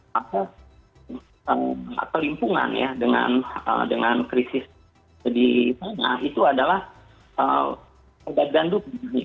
maka perlimpungan ya dengan krisis sedih itu adalah agak gandum